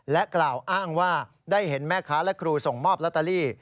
กล่าวอ้างว่าได้เห็นแม่ค้าและครูส่งมอบลอตเตอรี่